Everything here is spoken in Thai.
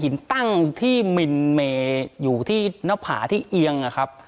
ตั้งที่มินเมย์อยู่ที่หน้าผาที่เอียงอะครับ